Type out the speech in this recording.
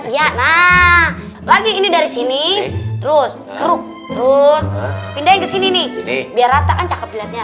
iya nah lagi ini dari sini terus keruk terus pindahin kesini nih biar rata kan cakep liatnya